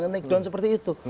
take down seperti itu